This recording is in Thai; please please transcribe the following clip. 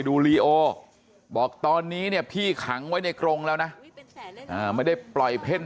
ดูลีโอบอกตอนนี้เนี่ยพี่ขังไว้ในกรงแล้วนะไม่ได้ปล่อยเพ่น